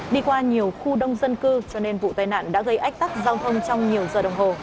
đi qua nhiều khu đông dân cư cho nên vụ tai nạn đã gây ách tắc giao thông trong nhiều giờ đồng hồ